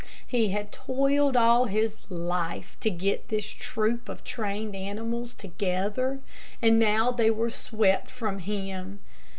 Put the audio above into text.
He had toiled all his life to get this troupe of trained animals together, and now they were swept from him.